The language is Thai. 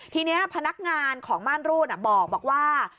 ทีนี้พนักงานของม่านรูดบอกว่า